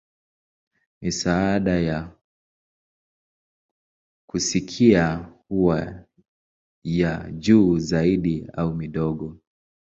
Misaada ya kusikia huwa ya juu zaidi au midogo.